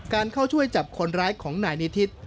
เข้าช่วยจับคนร้ายของนายนิทิศ